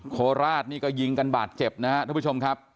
โคลาสก็ยิงกันบาดเจ็บนะครับท่านผู้ชมครับ